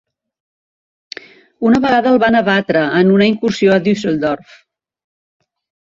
Una vegada el van abatre, en una incursió a Düsseldorf.